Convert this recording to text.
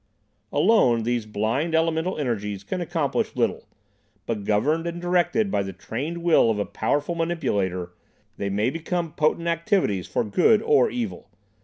"Alone, these blind elemental energies can accomplish little, but governed and directed by the trained will of a powerful manipulator they may become potent activities for good or evil.